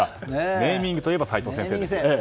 ネーミングといえば齋藤先生ですよね。